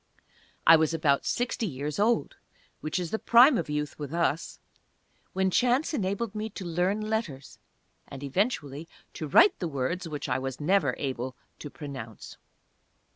I was about sixty years old (which is the prime of youth with us), when chance enabled me to learn letters, and eventually to write the words which I was never able to pronounce.